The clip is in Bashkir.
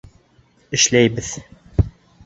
Эшләйбеҙ!